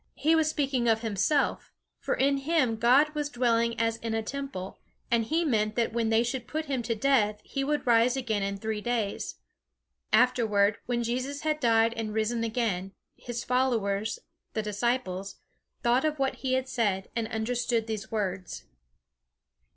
He was speaking of himself, for in him God was dwelling as in a temple, and he meant that when they should put him to death, he would rise again in three days. Afterward, when Jesus had died and risen again, his followers, the disciples, thought of what he had said, and understood these words.